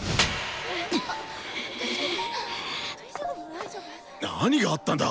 大丈夫？何があったんだ？